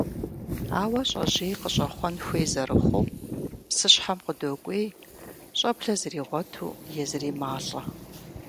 Ауэ щӀэжьей къыщӀэхъуэн хуей зэрыхъуу, псыщхьэм къыдокӀуей, щӀэблэ зэригъуэту езыри малӀэ.